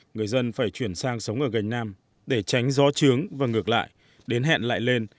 người dân phải chuyển sang sống ở gành nam để tránh gió trướng và ngược lại đến hẹn lại lên